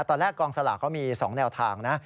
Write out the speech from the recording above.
ตอนแรกกองสลากเขามี๒แนวทางนะ